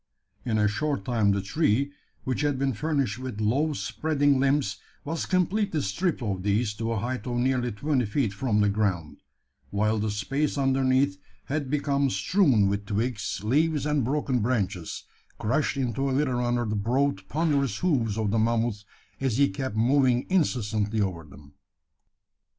In a short time the tree, which had been furnished with low spreading limbs, was completely stripped of these to a height of nearly twenty feet from the ground; while the space underneath had become strewn with twigs, leaves, and broken branches, crushed into a litter under the broad, ponderous hooves of the mammoth as he kept moving incessantly over them.